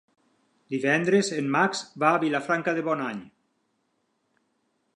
Divendres en Max va a Vilafranca de Bonany.